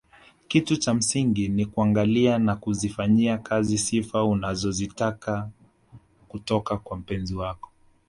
Kitu cha msingi ni kuangalia na kuzifanyia kazi sifa unazozitaka kutoka kwa mpenzi wako